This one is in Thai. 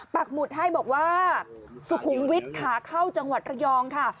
หมุดให้บอกว่าสุขุมวิทย์ขาเข้าจังหวัดระยองค่ะ